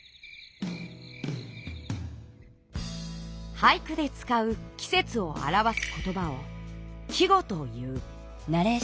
俳句でつかうきせつをあらわす言葉を季語という。